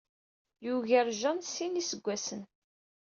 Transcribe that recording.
Yugar Jane s sin n yiseggasen.